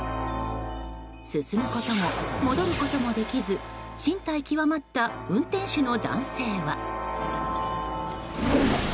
進むことも戻ることもできず進退窮まった運転手の男性は。